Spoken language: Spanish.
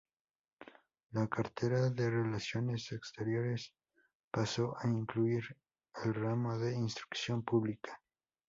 La cartera de Relaciones Exteriores pasó a incluir el ramo de Instrucción Pública.